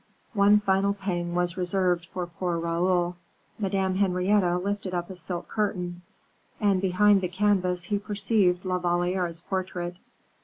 One final pang was reserved for poor Raoul. Madame Henrietta lifted up a silk curtain, and behind the canvas he perceived La Valliere's portrait.